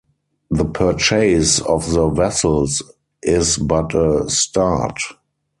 The purchase of the vessels is but a start.